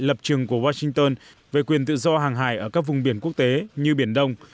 lập trường của washington về quyền tự do hàng hải ở các vùng biển quốc tế như biển đông